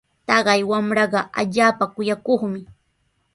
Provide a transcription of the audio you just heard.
Taqay wamraqa allaapa kuyakuqmi.